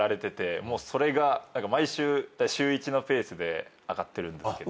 それが毎週週１のペースで上がってるんですけど。